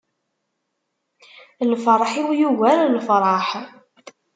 Lferḥ-iw yugar lefraḥ.